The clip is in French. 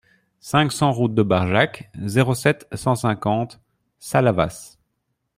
cinq cents route de Barjac, zéro sept, cent cinquante Salavas